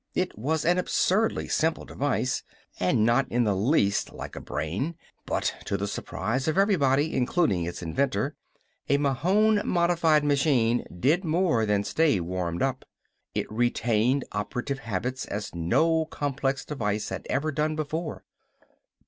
It was an absurdly simple device, and not in the least like a brain. But to the surprise of everybody, including its inventor, a Mahon modified machine did more than stay warmed up. It retained operative habits as no complex device had ever done before.